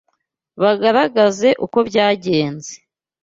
bagaragaze uko byagenze